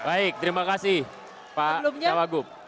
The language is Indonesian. baik terima kasih pak cawagup